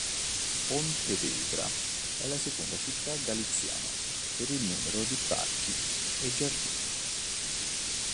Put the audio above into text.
Pontevedra è la seconda città galiziana per il numero di parchi e giardini.